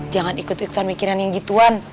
jangan ikut ikutan mikiran yang gituan